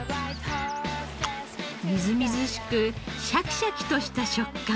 みずみずしくシャキシャキとした食感。